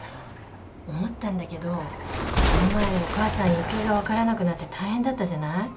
思ったんだけどこの前お母さん行方が分からなくなって大変だったじゃない。